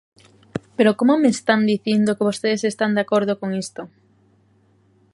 ¿Pero como me están dicindo que vostedes están de acordo con isto?